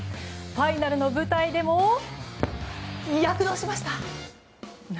ファイナルの舞台でも躍動しました。